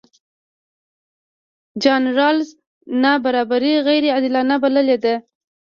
جان رالز نابرابري غیرعادلانه بللې ده.